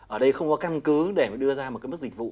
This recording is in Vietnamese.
ở đây không có căn cứ để đưa ra một mức dịch vụ